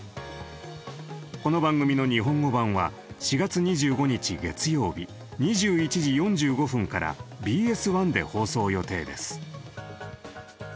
この番組の日本語版は４月２５日月曜日２１時４５分からＢＳ１で放送予定です。